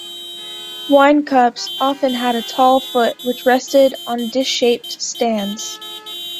Wine cups often had a tall foot which rested on dish-shaped stands.